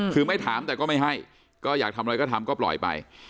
คือไม่ถามแต่ก็ไม่ให้ก็อยากทำอะไรก็ทำก็ปล่อยไป